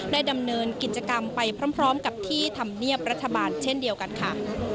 ดำเนินกิจกรรมไปพร้อมกับที่ธรรมเนียบรัฐบาลเช่นเดียวกันค่ะ